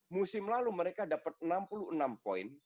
musim lalu mereka dapat enam puluh enam poin